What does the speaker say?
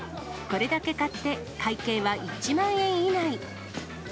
これだけ買って会計は１万円以内。